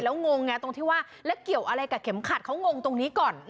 แล้วงงไงตรงที่ว่าแล้วเกี่ยวอะไรกับเข็มขัดเขางงตรงนี้ก่อน